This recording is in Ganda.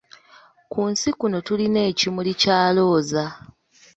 Ku nsi kuno tulina ekimuli kya Looza